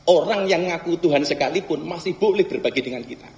orang yang ngaku tuhan sekalipun masih boleh berbagi dengan kita